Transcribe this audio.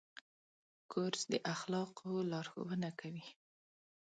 کورس د اخلاقو ښوونه کوي.